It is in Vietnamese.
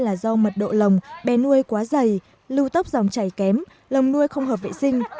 là do mật độ lồng bè nuôi quá dày lưu tốc dòng chảy kém lồng nuôi không hợp vệ sinh